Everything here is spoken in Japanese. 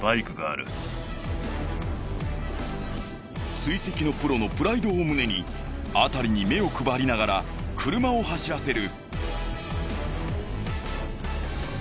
追跡のプロのプライドを胸に辺りに目を配りながら車を走らせる。